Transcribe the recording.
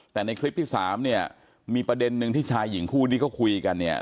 แต่ในคลิปที่สามเนี่ยมีประเด็นนึงที่ชายหญิงคู่ที่เขาคุยกันเนี่ย